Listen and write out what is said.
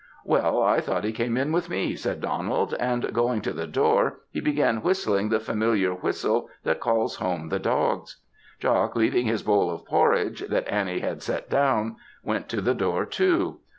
"Well, I thought he came in with me," said Donald; and going to the door he began whistling the familiar whistle that calls home the dogs. Jock leaving his bowl of porridge, that Annie had set down, went to the door too.